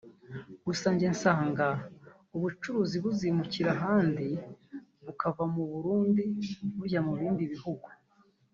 gusa njye nsanga ubucuruzi buzimukira ahandi bukava mu Burundi bujya mu bindi bihugu